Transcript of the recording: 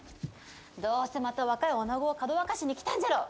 どうせ、また若いおなごをかどわかしに来たんじゃろ！